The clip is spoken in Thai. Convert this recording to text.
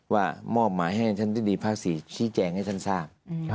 มอบหมายให้ท่านที่ดีภาค๔ชี้แจงให้ท่านทราบ